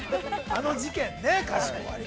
◆あの事件ね。